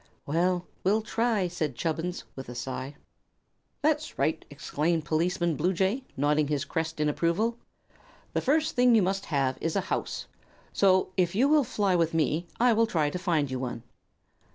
"Well, we'll try," said Chubbins, with a sigh. "That's right," exclaimed Policeman Bluejay, nodding his crest in approval. "The first thing you must have is a house; so, if you will fly with me, I will try to find you one."